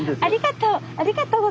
ありがとう！